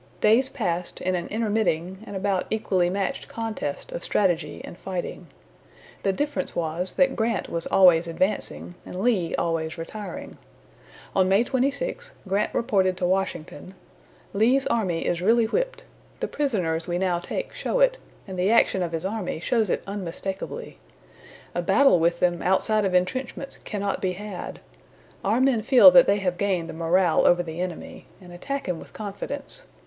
Days passed in an intermitting, and about equally matched contest of strategy and fighting. The difference was that Grant was always advancing and Lee always retiring. On May 26, Grant reported to Washington: "Lee's army is really whipped. The prisoners we now take show it, and the action of his army shows it unmistakably. A battle with them outside of intrenchments cannot be had. Our men feel that they have gained the morale over the enemy, and attack him with confidence.